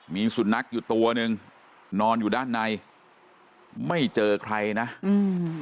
มีสุนัขอยู่ตัวหนึ่งนอนอยู่ด้านในไม่เจอใครนะอืม